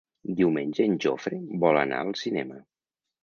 Diumenge en Jofre vol anar al cinema.